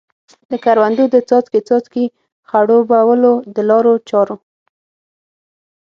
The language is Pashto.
د کروندو د څاڅکې څاڅکي خړوبولو د لارو چارو.